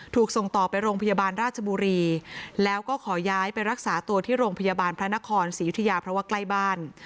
ถูกส่งต่อไปโรงพยาบาลราชบุรีแล้วก็ขอย้ายไปรักษาตัวที่โรงพยาบาลพระนครศรียุธยาเพราะว่าใกล้บ้าน